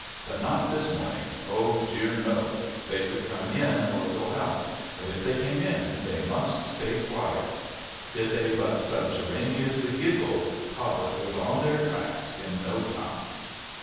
But not this morning, oh, dear, no! They could come in or go out, but if they came in they must stay quiet. Did they but subterraneously giggle, Cobbet was on their tracks in no time.